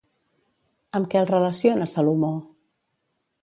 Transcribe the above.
Amb què el relaciona, Salomó?